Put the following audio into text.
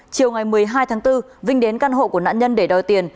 chiều ngày một mươi hai tháng bốn vinh đến căn hộ của nạn nhân để đòi tiền